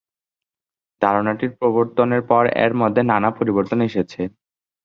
ধারণাটির প্রবর্তনের পর এর মধ্যে নানা পরিবর্তন এসেছে।